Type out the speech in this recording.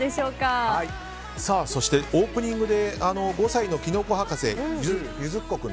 そして、オープニングで５歳のきのこ博士ゆづっこ君。